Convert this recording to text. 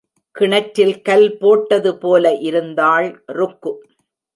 கிணற்றில் கல் போட்டது போல இருந்தாள் ருக்கு.